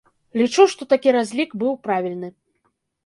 Лічу, што такі разлік быў правільны.